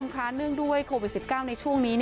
เนื่องด้วยโควิด๑๙ในช่วงนี้